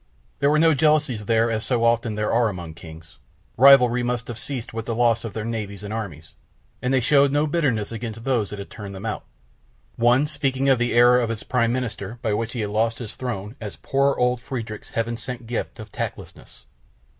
There were no jealousies there as so often there are among kings, rivalry must have ceased with the loss of their navies and armies, and they showed no bitterness against those that had turned them out, one speaking of the error of his Prime Minister by which he had lost his throne as "poor old Friedrich's Heaven sent gift of tactlessness."